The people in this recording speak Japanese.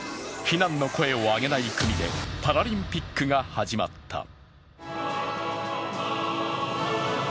非難の声を上げない国でパラリンピックが始まった。